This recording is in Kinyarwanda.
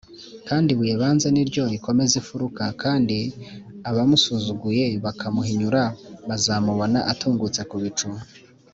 Kandi ibuye banze niryo rikomeza impfuruka, kandi abamusuzuguye bakamuhinyura bazamubona atungutse ku bicu.